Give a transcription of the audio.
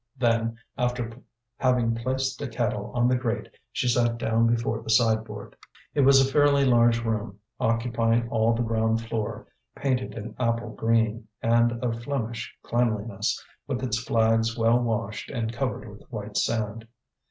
Then, after having placed a kettle on the grate, she sat down before the sideboard. It was a fairly large room, occupying all the ground floor, painted an apple green, and of Flemish cleanliness, with its flags well washed and covered with white sand.